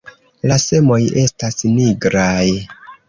La semoj estas nigraj.